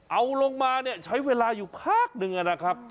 เอาลงมาเนี่ยใช้เวลาอยู่พักหนึ่งนะครับ